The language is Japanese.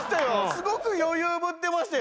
すごく余裕ぶってましたよ！